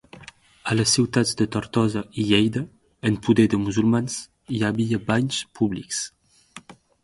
A les ciutats de Tortosa i Lleida, en poder de musulmans, hi havia banys públics.